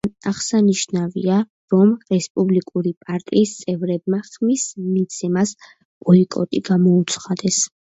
აღსანიშნავია, რომ რესპუბლიკური პარტიის წევრებმა ხმის მიცემას ბოიკოტი გამოუცხადეს.